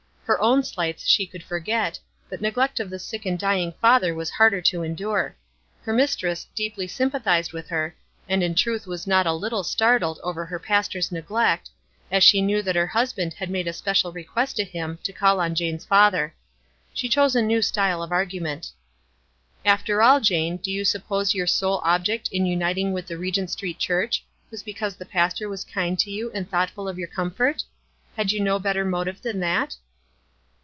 Her own slights she could forget, but neglect of the sick and dyinp; father was harder to endure. Her mistress deeply sympathized with her, and n truth was not a little startled over her pas tor's neglect, as she knew that her husband had made a special request to him to call on Jane's father. She chose a new style of argument. "After all, Jane, do you suppose your sole object in uniting with the Regent St. Church was because the pastor was kind to 3*011 and thoughtful of your comfort? Had you no bet ter motive than that?"